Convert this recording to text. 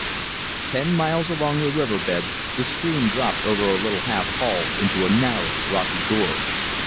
Ten miles along the river bed, the stream dropped over a little half falls into a narrow, rocky gorge.